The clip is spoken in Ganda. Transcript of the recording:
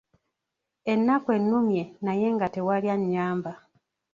Ennaku ennumye naye nga tewali annyamba.